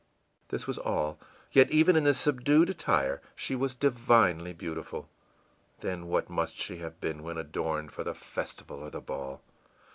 This was all; yet even in this subdued attire she was divinely beautiful. Then what must she have been when adorned for the festival or the ball?